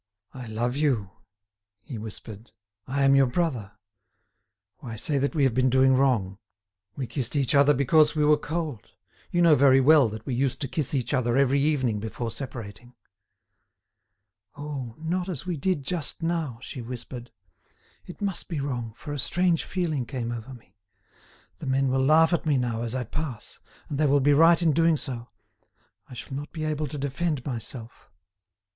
"I love you," he whispered, "I am your brother. Why say that we have been doing wrong? We kissed each other because we were cold. You know very well that we used to kiss each other every evening before separating." "Oh! not as we did just now," she whispered. "It must be wrong, for a strange feeling came over me. The men will laugh at me now as I pass, and they will be right in doing so. I shall not be able to defend myself."